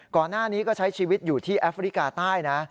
ก่อนหน้านี้ก็ใช้ชีวิตอยู่ที่แอฟริกาใต้นะ